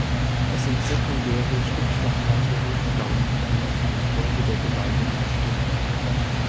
Es sind sekundäre, stickstoffreiche Hochstaudenfluren, die infolge der Beweidung entstehen.